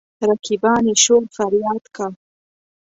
رقیبان يې شور فرياد کا.